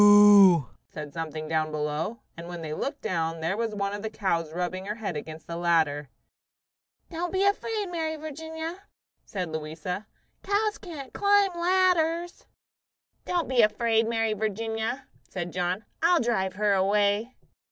"Moo!" said something down below; and when they looked, there was one of the cows rubbing her head against the ladder. "Don't be afraid, Mary Virginia," said Louisa. "Cows can't climb ladders." "Don't be afraid, Mary Virginia," said John. "I'll drive her away."